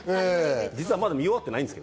実はまだ見終わってないんですよ。